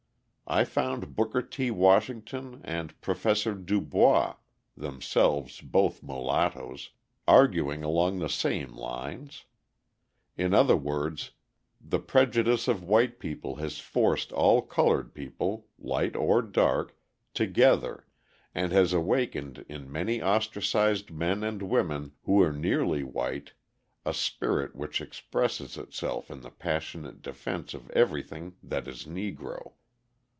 I found Booker T. Washington and Professor Du Bois (themselves both mulattoes) arguing along the same lines. In other words, the prejudice of white people has forced all coloured people, light or dark, together, and has awakened in many ostracised men and women who are nearly white a spirit which expresses itself in the passionate defence of everything that is Negro.